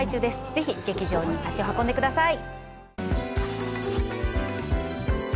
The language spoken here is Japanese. ぜひ劇場に足を運んでください